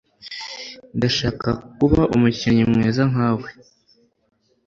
Ndashaka kuba umukinnyi mwiza nkawe.